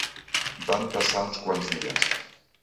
Van passar uns quants dies